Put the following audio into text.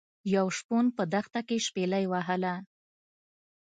یو شپون په دښته کې شپيلۍ وهله.